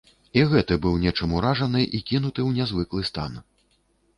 І гэты быў нечым уражаны і кінуты ў нязвыклы стан.